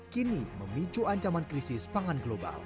kini memicu ancaman krisis pangan global